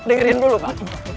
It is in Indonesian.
dengarkan dulu pak